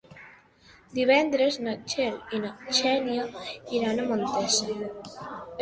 Divendres na Txell i na Xènia iran a Montesa.